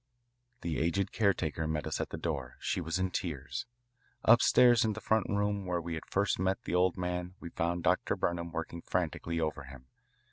The aged caretaker met us at the door. She was in tears. Upstairs in the front room where we had first met the old man we found Dr. Burnham working frantically over him.